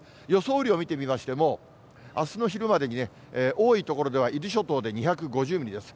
雨量を見てみましても、あすの昼までに多い所では伊豆諸島で２５０ミリです。